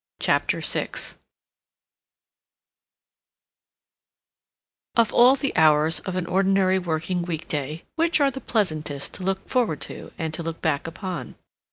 CHAPTER VI Of all the hours of an ordinary working week day, which are the pleasantest to look forward to and to look back upon?